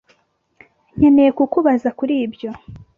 Nkeneye kukubaza kuri ibyo.